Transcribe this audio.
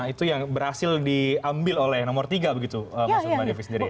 nah itu yang berhasil diambil oleh nomor tiga begitu mas umar yafis